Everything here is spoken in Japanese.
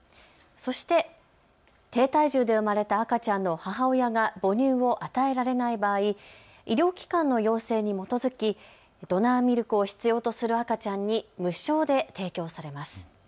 そして、低体重で生まれた赤ちゃんの母親が母乳を与えられない場合、医療機関の要請に基づきドナーミルクを必要とする赤ちゃんに無償で提供されます。